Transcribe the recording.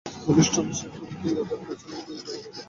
Police টুলিশের হুমকি ওদের পেছন দিয়ে ঢুকে যেত।